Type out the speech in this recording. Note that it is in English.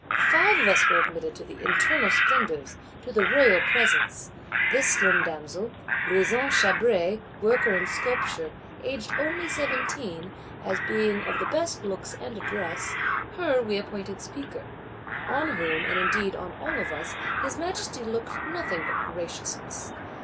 Five of us were admitted to the internal splendours, to the Royal Presence. This slim damsel, "Louison Chabray, worker in sculpture, aged only seventeen," as being of the best looks and address, her we appointed speaker. On whom, and indeed on all of us, his Majesty looked nothing but graciousness.